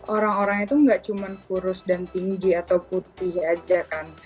orang orang itu nggak cuma kurus dan tinggi atau putih aja kan